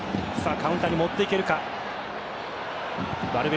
カウンターに持っていけるか。